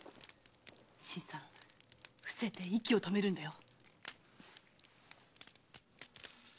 新さん伏せて息を止めるんだよ。